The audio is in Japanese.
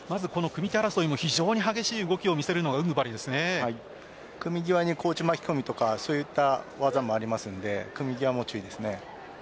組み手争いも非常に激しい動きを見せるのが組み際に内巻込とかそういった技もありますので組み際も注意ですね。